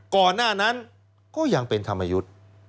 ก่อนหน้านั้นก็ยังเป็นธรรมยุทธ์